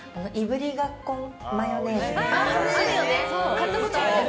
買ったことある！